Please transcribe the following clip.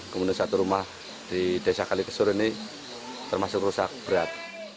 kemudian satu rumah di desa kalikesur ini termasuk rusak berat